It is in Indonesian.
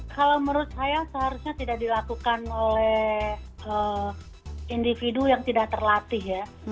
kalau menurut saya seharusnya tidak dilakukan oleh individu yang tidak terlatih ya